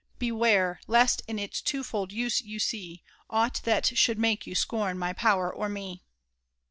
Beware!— >lest in its twofoU use yoasae Aught that should make you scorn my power or me.